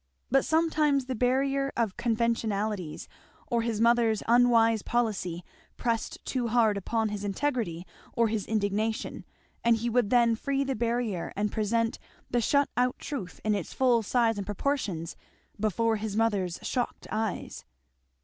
But sometimes the barrier of conventionalities, or his mother's unwise policy, pressed too hard upon his integrity or his indignation; and he would then free the barrier and present the shut out truth in its full size and proportions before his mother's shocked eyes.